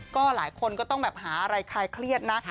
ก็หลายคนก็ต้องแบบหาอะไรคลายเครียดนะ